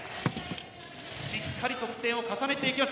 しっかり得点を重ねていきます。